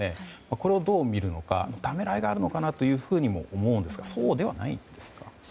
これをどうみるのか、ためらいがあるのかなというふうにも思うんですがそうではないんですか。